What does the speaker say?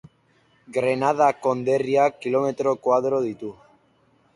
Grenada konderriak kilometro koadro ditu.